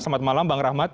selamat malam bang rahmat